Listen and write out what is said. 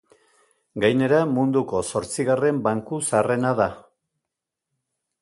Gainera, munduko zortzigarren banku zaharrena da.